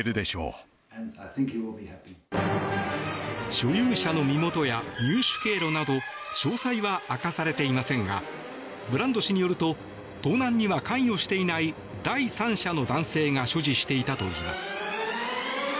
所有者の身元や入手経路など詳細は明かされていませんがブランド氏によると盗難には関与していない第三者の男性が所持していたといいます。